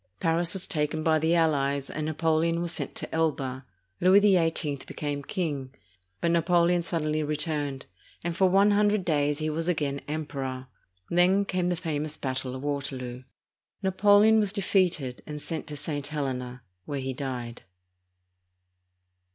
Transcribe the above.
Paris was taken by the allies, and Napoleon was sent to Elba. Louis XVIII became king; but Napoleon suddenly returned, and for one hundred days he was again Emperor. Then came the famous battle of Waterloo. Napoleon was defeated and sent to St, Helena, where he died.